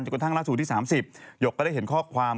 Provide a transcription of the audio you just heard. กระทั่งล่าสุดที่๓๐หยกก็ได้เห็นข้อความ